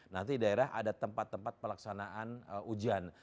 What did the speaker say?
nanti daerah ada tempat tempat pelaksanaan ujian